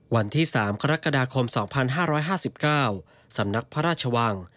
วันที่๓กรกฎาคม๒๕๕๙สำนักพระราชวัง